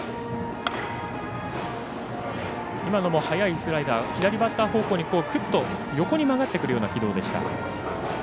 速いスライダー左バッター方向に横に曲がってくるような軌道でした。